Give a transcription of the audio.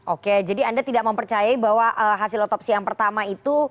oke jadi anda tidak mempercayai bahwa hasil otopsi yang pertama itu